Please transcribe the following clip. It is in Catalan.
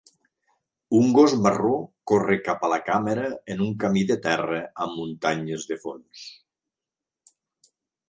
Un gos marró corre cap a la càmera en un camí de terra amb muntanyes de fons.